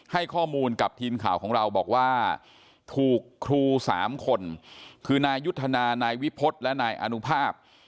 ให้ข้อมูลกับทีมข่าวของเราบอกว่าถูกครู๓คนคือนายยุทธนานายวิพฤษและนายอนุภาพ